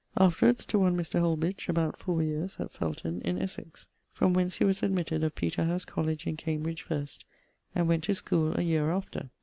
Afterwards to one Mr. Holbitch, about fower years, at Felton in Essex; from whence he was admitted of Peterhouse College in Cambridge first, and went to schoole a yeare after.